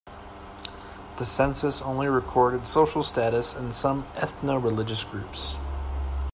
The census only recorded social status and some ethno-religious groups.